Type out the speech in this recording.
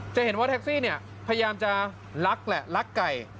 จะเห็นว่าแท็กซี่พยายามจะลักไก่